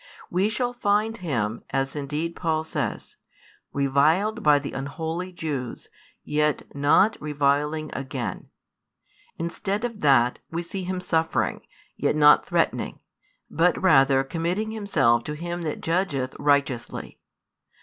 We shall find Him, as indeed Paul says, reviled by the unholy Jews, yet not reviling again; instead of that, we see |289 Him suffering, yet not threatening, but rather committing Himself to Him that judgeth righteously.